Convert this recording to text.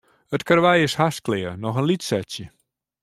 It karwei is hast klear, noch in lyts setsje.